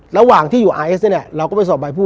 ระหว่างที่อยู่เนี้ยเราก็ไปสอบบายภูกษ์อ่ะ